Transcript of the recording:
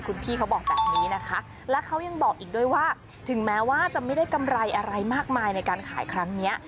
คุณพี่เขาบอกแบบนี้นะคะและเขายังบอกอีกด้วยว่าถึงแม้ว่าจะไม่ได้กำไรอะไรมากมายในการขายครั้งนี้